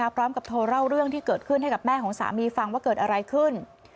พร้อมกับโทรเล่าเรื่องที่เกิดขึ้นให้กับแม่ของสามีฟังว่าเกิดอะไรขึ้น